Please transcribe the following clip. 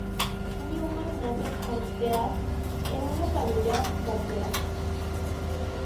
Newman nace en Hampstead, en una familia cuáquera.